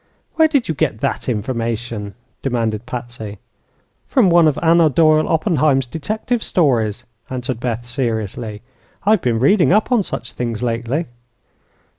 "Where did you get that information?" demanded Patsy. "From one of Anna Doyle Oppenheim's detective stories," answered Beth, seriously. "I've been reading up on such things, lately."